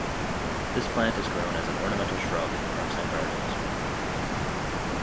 This plant is grown as an ornamental shrub in parks and gardens.